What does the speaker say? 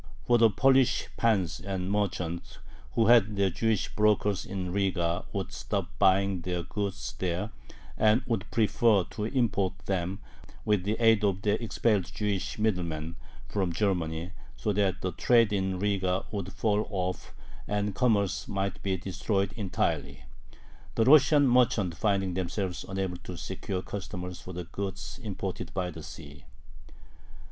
For the Polish pans and merchants, who had their Jewish brokers in Riga, would stop buying their goods there, and would prefer to import them, with the aid of their expelled Jewish middlemen, from Germany, so that "trade in Riga would fall off, and commerce might be destroyed entirely," the Russian merchants finding themselves unable to secure customers for "the goods imported by sea."